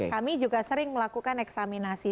kami juga sering melakukan eksaminasi